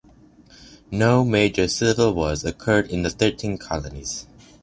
No major civil wars occurred in the thirteen colonies.